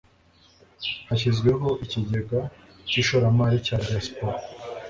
hashyizweho ikigega cy'ishoramari rya diaspora